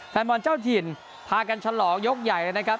แฟนบอลเจ้าถิ่นพากันฉลองยกใหญ่เลยนะครับ